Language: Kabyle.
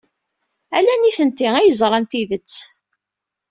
Ala nitenti ay yeẓran tidet.